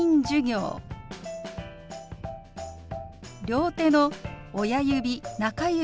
両手の親指中指